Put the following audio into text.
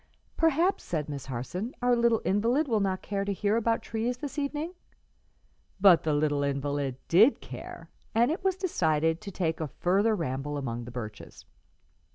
"Perhaps," said Miss Harson, "our little invalid will not care to hear about trees this evening?" But the little invalid did care, and it was decided to take a further ramble among the birches.